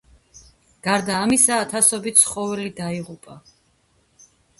გარდა ამისა, ათასობით ცხოველი დაიღუპა.